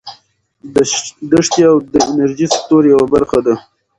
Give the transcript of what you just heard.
دښتې د انرژۍ سکتور یوه برخه ده.